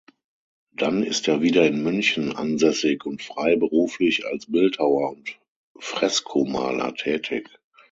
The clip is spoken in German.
Dann ist er wieder in München ansässig und freiberuflich als Bildhauer und Freskomaler tätig.